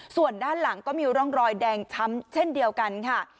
ส่วนด้านหลังก็มีร่องรอยแดงช้ำเช่นเดียวกันค่ะ